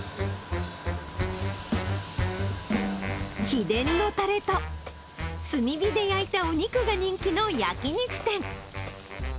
秘伝のたれと、炭火で焼いたお肉が人気の焼き肉店。